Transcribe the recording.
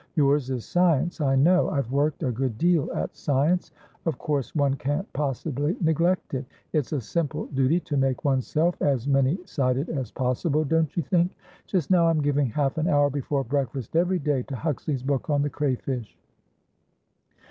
Yours is science, I know. I've worked a good deal at science; of course one can't possibly neglect it; it's a simple duty to make oneself as many sided as possible, don't you think? Just now, I'm giving half an hour before breakfast every day to Huxley's book on the Crayfish.